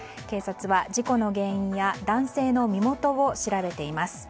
警察は事故の原因や男性の身元を調べています。